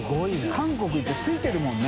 韓国行って着いてるもんね。